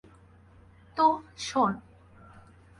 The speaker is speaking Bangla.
তো, শন।